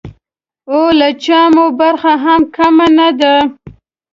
او له چا مو برخه هم کمه نه ده.